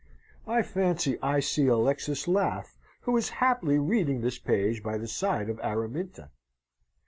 I fancy I see Alexis laugh, who is haply reading this page by the side of Araminta.